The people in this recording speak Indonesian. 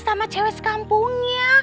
sama cewek sekampungnya